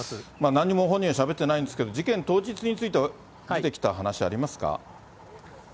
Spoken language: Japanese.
なんにも本人はしゃべってないんですけれども、事件当日については出てきた話、ありますか？